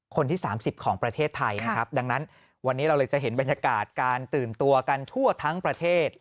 คนที่๓๐ของประเทศไทยนะครับ